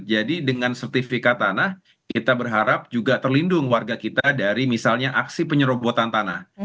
jadi dengan sertifikat tanah kita berharap juga terlindung warga kita dari misalnya aksi penyerobotan tanah